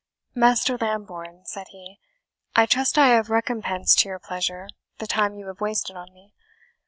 "Master Lambourne," said he, "I trust I have recompensed to your pleasure the time you have wasted on me.